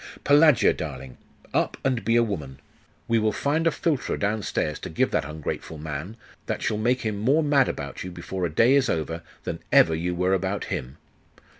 Pelagia, darling! Up, and be a woman! We will find a philtre downstairs to give that ungrateful man, that shall make him more mad about you, before a day is over, than ever you were about him.